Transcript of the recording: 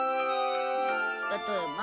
例えば？